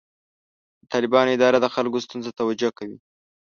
د طالبانو اداره د خلکو ستونزو ته توجه کوي.